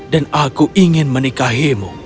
dan aku ingin menikahimu